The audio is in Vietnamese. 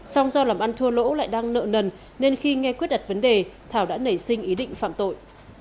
xong do làm ăn thua lỗ lại đang nợ nần nên khi nghe quyết đặt vấn đề thảo đã nảy sinh ý định phạm tội